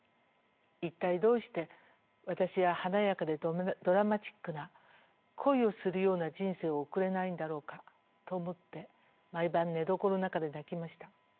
一体どうして私は華やかでドラマチックな恋をするような人生を送れないんだろうか」と思って毎晩寝床の中で泣きました。